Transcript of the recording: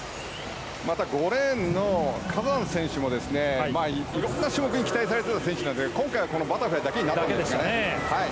また５レーンのカーザン選手もいろんな種目に期待されている選手なんですが、今回はこのバタフライだけですね。